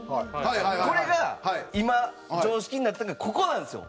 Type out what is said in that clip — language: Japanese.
これが今常識になったんがここなんですよ。